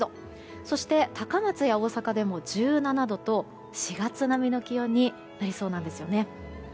そして高松や大阪でも１７度と４月並みの気温になりそうです。